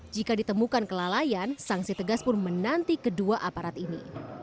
jika ditemukan kelalaian sanksi tegas pun menanti kedua aparat ini